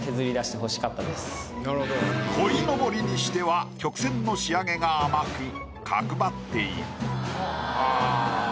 鯉のぼりにしては曲線の仕上げが甘く角ばっている。